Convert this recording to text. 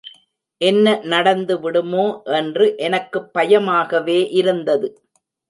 என்ன நடந்து விடுமோ என்று எனக்குப் பயமாகவே இருந்தது.